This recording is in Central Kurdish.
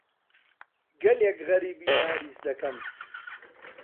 گەلێک غەریبی پاریس دەکەم.